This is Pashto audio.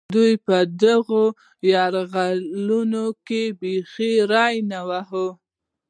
دوی په دغو یرغلونو کې بېخي ري نه واهه.